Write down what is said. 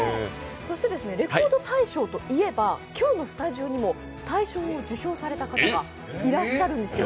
「レコード大賞」といえば、今日のスタジオにも大賞を受賞された方がいらっしゃるんですよ。